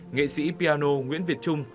nghệ sĩ piano nguyễn việt trung